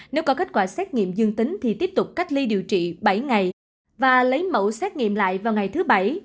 nếu có kết quả xét nghiệm dương tính thì tiếp tục cách ly điều trị bảy ngày và lấy mẫu xét nghiệm lại vào ngày thứ bảy